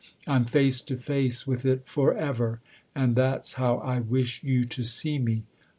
I'm face to face with it forever and that's how I wish you to see me.